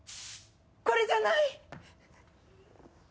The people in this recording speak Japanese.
これじゃない。